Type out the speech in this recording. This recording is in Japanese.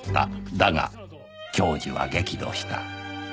だが教授は激怒した